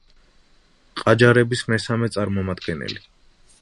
ყაჯარების მესამე წარმომადგენელი.